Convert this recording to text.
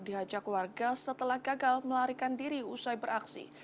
diajak warga setelah gagal melarikan diri usai beraksi